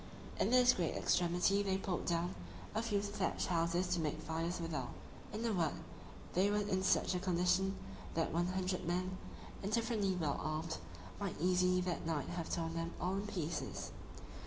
In this great extremity they pulled down a few thatched houses to make fires withal; in a word, they were in such a condition, that one hundred men, indifferently well armed, might easily that night have torn them all in pieces.